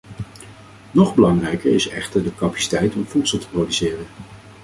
Nog belangrijker is echter de capaciteit om voedsel te produceren.